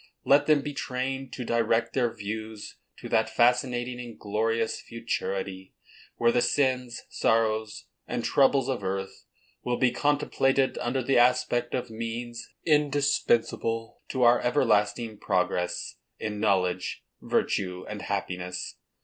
Let them be trained to direct their views to that fascinating and glorious futurity, where the sins, sorrows, and troubles of earth, will be contemplated under the aspect of means indispensable to our everlasting progress in knowledge, virtue and happiness.